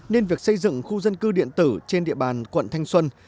nên việc xây dựng khu dân cư điện tử trên địa bàn quận thanh xuân